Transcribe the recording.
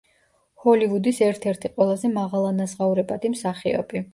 ჰოლივუდის ერთ-ერთი ყველაზე მაღალანაზღაურებადი მსახიობი.